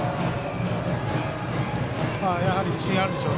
やはり自信あるんでしょう。